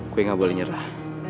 gue gak boleh nyerah